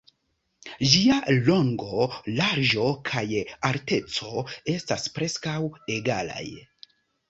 Ĝia longo, larĝo kaj alteco estas preskaŭ egalaj.